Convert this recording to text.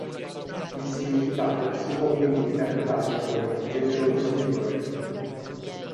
Il significato si può quindi interpretare come "generoso signore".